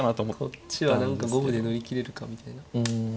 こっちは何か五分で乗り切れるかみたいな感じ。